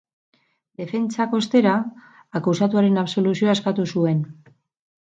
Defentsak, ostera, akusatuaren absoluzioa eskatu zuen.